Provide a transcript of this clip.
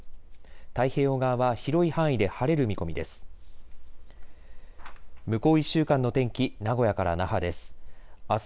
太平洋側は広い範囲で晴れる見込みです。